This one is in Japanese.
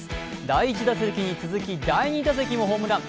第１打席に続き第２打席もホームラン。